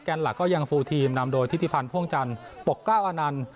หลักก็ยังฟูลทีมนำโดยทิศิพันธ์พ่วงจันทร์ปกกล้าอานันต์